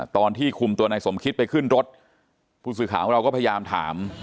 ตอนที่คุมตัวนายสมคิตไปขึ้นรถผู้สื่อข่าวของเราก็พยายามถาม